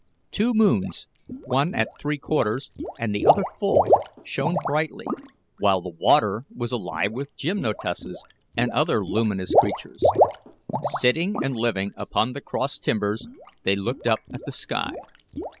Two moons, one at three quarters and the other full, shone brightly, while the water was alive with gymnotuses and other luminous creatures. Sitting and living upon the cross timbers, they looked up at the sky.